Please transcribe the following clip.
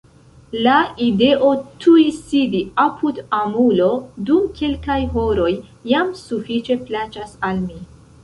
La ideo tuj sidi apud amulo dum kelkaj horoj jam sufiĉe plaĉas al mi.